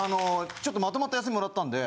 ちょっとまとまった休みもらったんで。